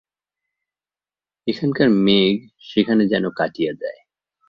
এখানকার মেঘ সেখানে যেন কাটিয়া যায়।